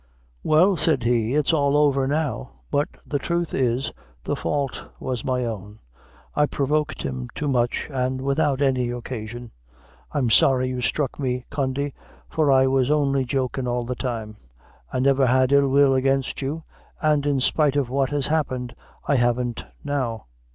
"Well," said he, "it's all over now but the truth is, the fault was my own. I provoked him too much, an' without any occasion. I'm sorry you struck me, Condy, for I was only jokin' all the time. I never had ill will against you; an' in spite of what has happened, I haven't now."